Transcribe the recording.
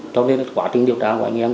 cho nên quá trình điều tra của anh em